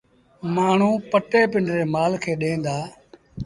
مآڻهوٚݩ پٽي پنڊري مآل کي ڏيݩ دآ۔